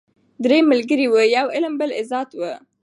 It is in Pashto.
درې ملګري وه یو علم بل عزت وو